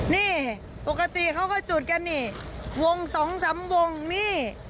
นี่ปกติเขาก็จุดกันวง๒๓วงนี่